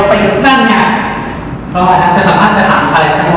ถ้าสัมภาษณ์จะถามอะไรข้าจะบอก